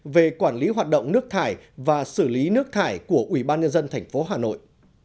về quản lý hoạt động nước thải và xử lý nước thải của ubnd tp hà nội